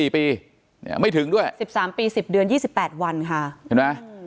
๑๔ปีไม่ถึงด้วย๑๓ปี๑๐เดือน๒๘วันค่ะ